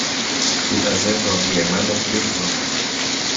κοίταζε το αγριεμένο πλήθος.